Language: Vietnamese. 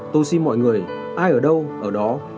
tôi xin mọi người ai ở đâu ở đó